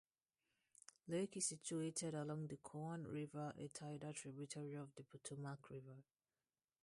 Lake is situated along the Coan River, a tidal tributary of the Potomac River.